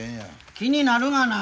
気になるがな。